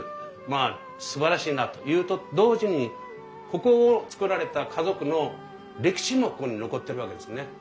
まあすばらしいなというと同時にここを造られた家族の歴史もここに残ってるわけですね。